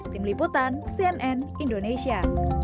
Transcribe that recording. tim liputan cnn indonesia